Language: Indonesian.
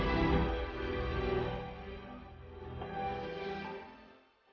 tapi snowoud lakukan bantuan sedih semuanya sih